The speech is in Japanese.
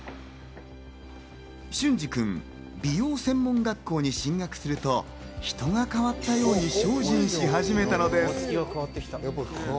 隼司君、美容専門学校に進学すると人が変わったように精進し始めたのです。